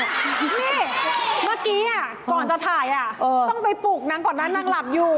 นี่เมื่อกี้อ่ะตอนทดสอบก่อนจะถ่ายต้องไปปลุกนางก่อนนะนางหลับอยู่